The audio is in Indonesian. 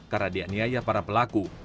karena dia niaya para pelaku